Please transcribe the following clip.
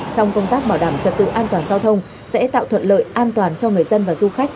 trong công tác bảo đảm trật tự an toàn giao thông sẽ tạo thuận lợi an toàn cho người dân và du khách